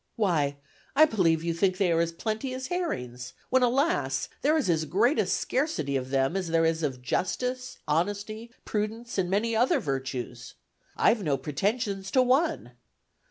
Why! I believe you think they are as plenty as herrings, when, alas! there is as great a scarcity of them as there is of justice, honesty, prudence and many other virtues. I've no pretensions to one.